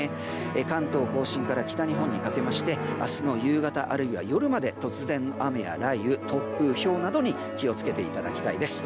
関東・甲信から北日本にかけて明日の夕方あるいは夜まで突然の雨や雷雨突風、ひょうなどに気を付けていただきたいです。